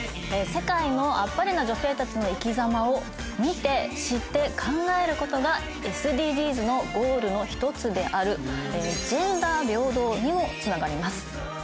世界のアッパレな女性たちの生き様を見て知って考えることがＳＤＧｓのゴールの一つであるジェンダー平等にもつながります。